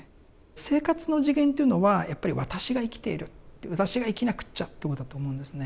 生活の次元というのはやっぱり私が生きているって私が生きなくっちゃということだと思うんですね。